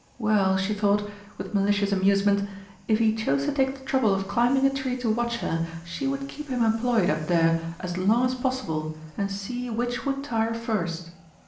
Well, she thought, with malicious amusement, if he chose to take the trouble of climbing a tree to watch her, she would keep him employed up there as long as possible and see which would tire first.